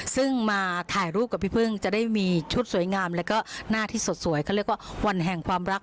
ซึ่งมาถ่ายรูปกับพี่พึ่งจะได้มีชุดสวยงามแล้วก็หน้าที่สดสวยเขาเรียกว่าวันแห่งความรัก